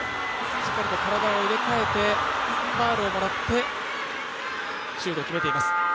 しっかりと体を入れ替えてファウルをもらって、シュートを決めています。